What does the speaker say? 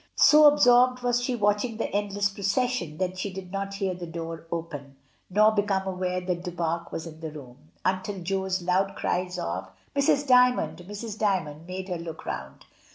So absorbed was she watching the endless procession that she did not hear the door open, nor become aware that Du Pare was in the room, until Jo's loud cries of "Mrs. D3anond! Mrs. Dymond!" made her look round.